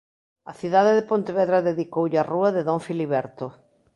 A cidade de Pontevedra dedicoulle a rúa de Don Filiberto.